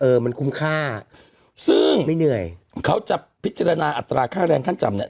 มันคุ้มค่าซึ่งไม่เหนื่อยเขาจะพิจารณาอัตราค่าแรงขั้นต่ำเนี้ย